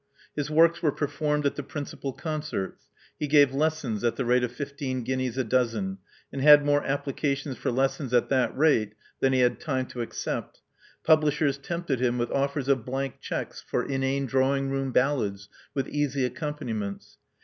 His works w^re performed at the principal concerts: he gave lessons at the rate of fifteen guineas a dozen, and had more applications for lessons at thai rate than he had time to accept : publishers tempted him with offers of blank cheques for inane drawing room ballads with easy accompaniments.